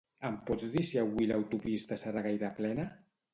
Em pots dir si avui l'autopista serà gaire plena?